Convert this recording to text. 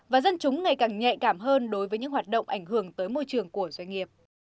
và dân chúng ngày càng nhạy cảm hơn đối với những hoạt động ảnh hưởng tới môi trường của doanh nghiệp